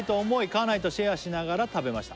「家内とシェアしながら食べました」